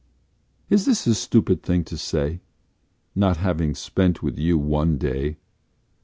Is this a stupid thing to say Not having spent with you one day?